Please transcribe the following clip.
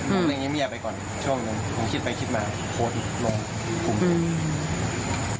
มึงยังเงียบไปก่อนช่วงนึงคิดไปคิดมาโคตรลงคุม